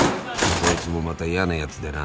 そいつもまた嫌なやつでな。